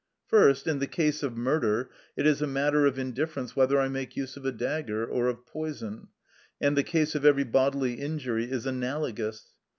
First, in the case of murder, it is a matter of indifference whether I make use of a dagger or of poison; and the case of every bodily injury is analogous.